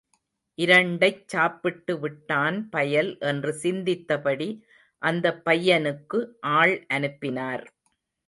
இரண்டைச் சாப்பிட்டுவிட்டான் பயல் என்று சிந்தித்தபடி, அந்தப் பையனுக்கு ஆள் அனுப்பினார்.